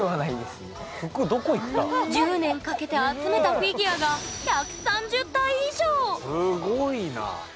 １０年かけて集めたフィギュアがすごいな。